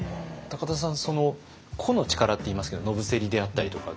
田さんその個の力っていいますけど野伏であったりとか。